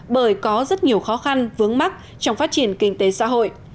bởi có rất nhiều khó khăn vướng mắt trong phát triển kinh tế xã hội